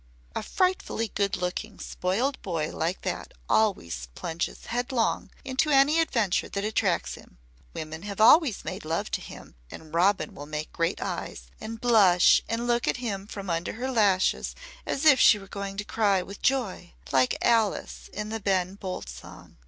"A frightfully good looking, spoiled boy like that always plunges headlong into any adventure that attracts him. Women have always made love to him and Robin will make great eyes, and blush and look at him from under her lashes as if she were going to cry with joy like Alice in the Ben Bolt song.